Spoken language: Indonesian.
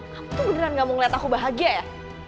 hmm tuh beneran gak mau ngeliat aku bahagia ya